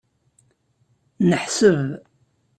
Neḥseb.